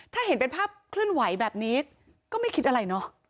ถ้าเห็นเป็นภาพเคลื่อนไหวแบบนี้ก็ไม่คิดอะไรเนอะ